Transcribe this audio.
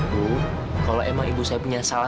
bu kalau emang ibu saya punya salah